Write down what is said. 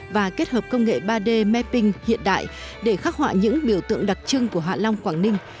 và kết hợp công nghệ ba d mapping hiện đại để khắc họa những biểu tượng đặc trưng của hạ long quảng ninh